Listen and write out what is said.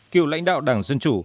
kiều lãnh đạo đảng dân chủ